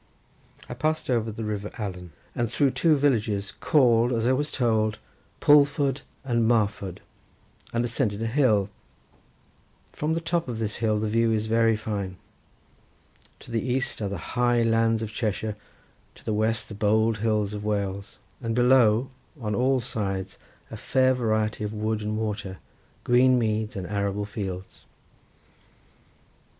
I passed over the river Allan and through two villages called, as I was told, Pulford and Marford, and ascended a hill; from the top of this hill the view is very fine. To the east are the high lands of Cheshire, to the west the bold hills of Wales, and below, on all sides a fair variety of wood and water, green meads and arable fields.